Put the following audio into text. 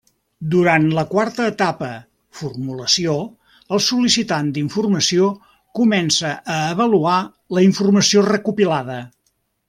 Durant la quarta etapa, formulació, el sol·licitant d'informació comença a avaluar la informació recopilada.